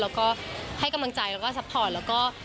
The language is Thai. เราก็ให้กำลังใจเราก็ซัพพอร์ต